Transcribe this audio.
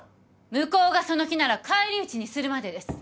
向こうがその気なら返り討ちにするまでです。